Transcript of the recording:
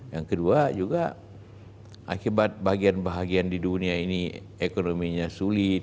yang kedua juga akibat bagian bahagian di dunia ini ekonominya sulit